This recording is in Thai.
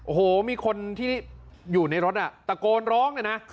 โอ้โหมีคนที่อยู่ในรถตะโกนร้องเลยนะ